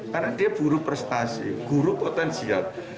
karena dia guru prestasi guru potensial